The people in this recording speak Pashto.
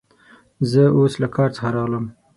زه اوس له کار څخه راغلم.